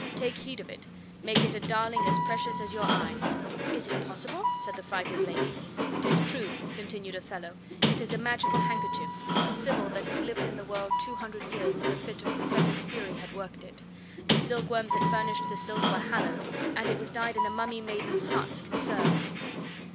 Take heed of it. Make it a darling as precious as your eye." "Is it possible?" said the frighted lady. "'Tis true," continued Othello; "it is a magical handkerchief; a sibyl that had lived in the world two hundred years, in a fit of prophetic fury worked it; the silkworms that furnished the silk were hallowed, and it was dyed in a mummy of maidens' hearts conserved."